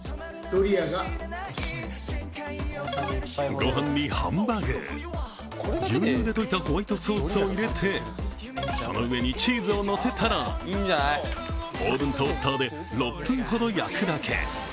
ごはんにハンバ具ー牛乳でといたホワイトソースを入れてその上にチーズをのせたらオーブントースターで６分ほど焼くだけ。